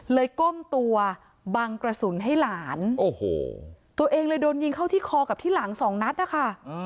ก้มตัวบังกระสุนให้หลานโอ้โหตัวเองเลยโดนยิงเข้าที่คอกับที่หลังสองนัดนะคะ